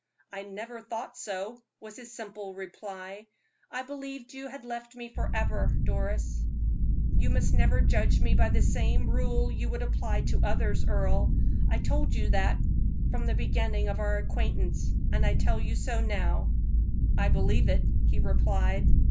"I never thought so," was his simply reply. "I believed you had left me forever, Doris." "You must never judge me by the same rule you would apply to others, Earle. I told you so from the beginning of our acquaintance, I tell you so now." "I believe it," he replied.